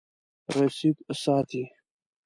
رسید ساتئ؟